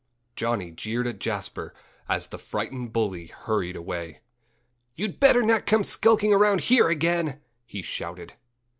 Johnnie jeered at Jasper as the frightened bully hurried away. "You'd better not come skulking around here again!" he shouted.